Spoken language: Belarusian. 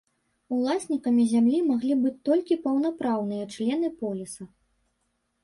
Уласнікамі зямлі маглі быць толькі паўнапраўныя члены поліса.